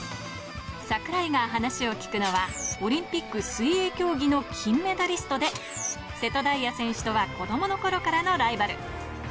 櫻井が話を聞くのは、オリンピック水泳競技の金メダリストで、瀬戸大也選手とは子どものころからのライバル。